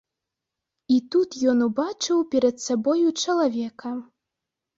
І тут ён убачыў перад сабою чалавека.